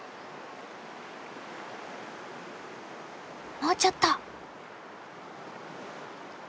もうちょっと！